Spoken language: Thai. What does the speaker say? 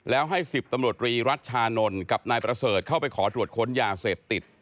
แล้วให้๑๐ตำรวจรีรัชชานนท์กับนายประเสริฐเข้าไปขอตรวจค้นยาเสพติด